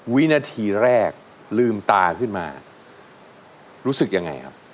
วินาทีแรกลืมตาขึ้นมารู้สึกยังไงครับ